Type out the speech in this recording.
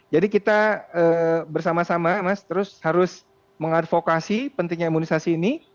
jadi kita bersama sama harus mengadvokasi pentingnya imunisasi ini